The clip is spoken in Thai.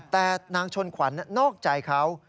แต่นางชนขวัญนอกใจเขา